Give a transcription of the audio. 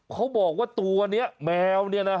เขาบอกว่าตัวนี้แมว